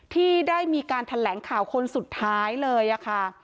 ที่ได้มีการแถลงข่าวคนสุดท้ายเลยค่ะ